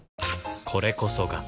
これこそが